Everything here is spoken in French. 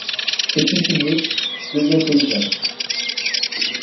Sais-tu signer ? deuxième paysanne.